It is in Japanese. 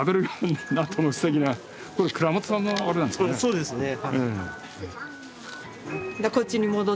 そうですね。